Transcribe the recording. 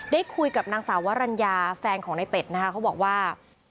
ได้คุยกับนางสาววรรณญาแฟนของในเป็ดนะคะเขาบอกว่า